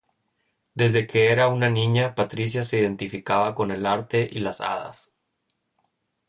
Desde que era una niña, Patricia se identificaba con el Arte y las hadas.